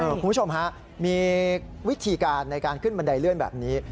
คุณผู้ชมฮะมีวิธีการในการขึ้นบันไดเลื่อนแบบนี้